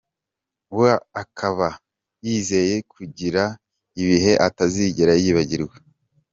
wa akaba yizeye kugira ibihe atazigera yibagirwa.